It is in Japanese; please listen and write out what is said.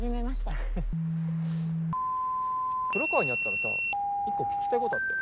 黒川に会ったらさ１個聞きたいことあって。